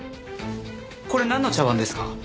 これなんの茶番ですか？